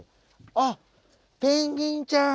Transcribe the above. あっペンギンちゃん！